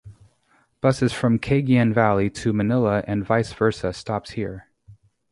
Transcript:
Buses from Cagayan Valley to Manila and vice versa stops here.